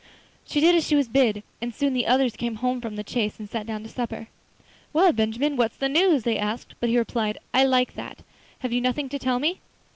She did as she was bid, and soon the others came home from the chase and sat down to supper. 'Well, Benjamin, what's the news?' they asked. But he replied, 'I like that; have you nothing to tell me?